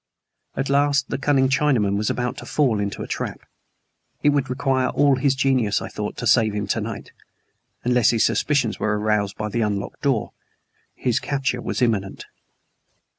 At last the cunning Chinaman was about to fall into a trap. It would require all his genius, I thought, to save him to night. Unless his suspicions were aroused by the unlocked door, his capture was imminent.